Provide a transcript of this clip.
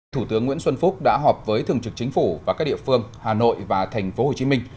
thủ tướng nguyễn xuân phúc đã họp với thường trực chính phủ và các địa phương hà nội và thành phố hồ chí minh